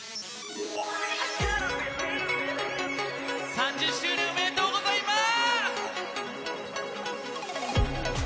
３０周年おめでとうございます！